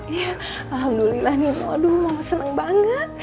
iya alhamdulillah nino aduh mama senang banget